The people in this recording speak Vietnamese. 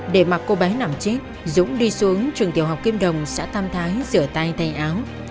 để mặc cô bé nằm chết dũng đi xuống trường tiểu học kim đồng sát tàm thái rửa tay thay áo